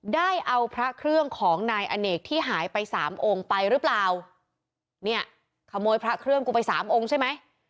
ได้เอาพระเครื่องของนายอเนกที่หายไปสามองค์ไปหรือเปล่าเนี่ยขโมยพระเครื่องกูไปสามองค์ใช่ไหม